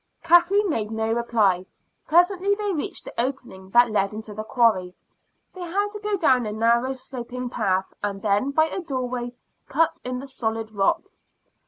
Kathleen made no reply. Presently they reached the opening that led into the quarry. They had to go down a narrow sloping path, and then by a doorway cut in the solid rock.